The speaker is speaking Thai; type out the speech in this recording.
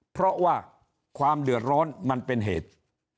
เพราะว่าความเดือดร้อนมันเป็นเหตุ